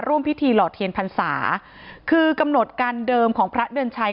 ร่วมพิธีหล่อเทียนพรรษาคือกำหนดการเดิมของพระเดือนชัย